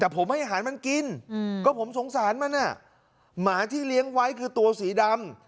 แต่ผมให้อาหารมันกินก็ผมสงสารมันหมาที่เลี้ยงไว้คือตัวสีดำ